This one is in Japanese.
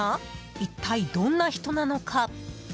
一体、どんな人なのか？